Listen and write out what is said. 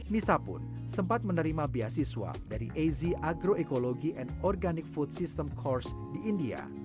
nisa pun sempat menerima beasiswa dari az agroekologi and organic food system course di india